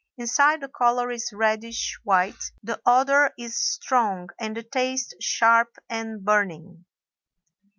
Inside the color is reddish white. The odor is strong and the taste sharp and burning.